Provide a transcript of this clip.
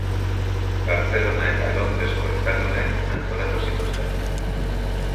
Bartzelona eta Londresko euskaldunek antolatu zituzten.